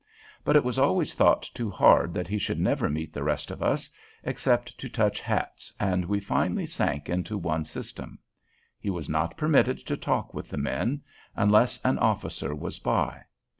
But it was always thought too hard that he should never meet the rest of us, except to touch hats, and we finally sank into one system. He was not permitted to talk with the men, unless an officer was by.